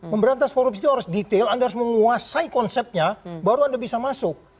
memberantas korupsi itu harus detail anda harus menguasai konsepnya baru anda bisa masuk